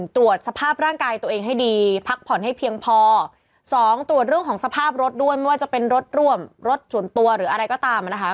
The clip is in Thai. ตรวจสภาพร่างกายตัวเองให้ดีพักผ่อนให้เพียงพอสองตรวจเรื่องของสภาพรถด้วยไม่ว่าจะเป็นรถร่วมรถส่วนตัวหรืออะไรก็ตามนะคะ